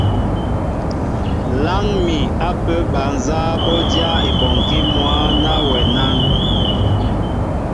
Láŋ mi apē bal nzá bɔ́ dyáá ebɔnkí mwǎ ná wɛ nán?